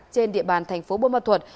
trên địa bàn thành phố bông môn thuật